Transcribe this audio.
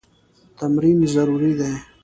تمرین ضروري دی.